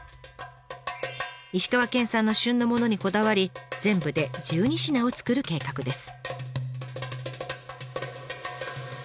石川県産の旬のものにこだわり全部で１２品を作る計画です。